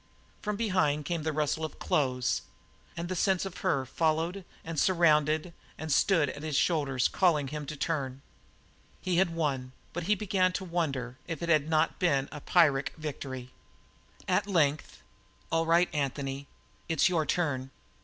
From behind came the rustle of clothes, and the sense of her followed and surrounded and stood at his shoulder calling to him to turn. He had won, but he began to wonder if it had not been a Pyrrhic victory. At length: "All right, Anthony. It's your turn."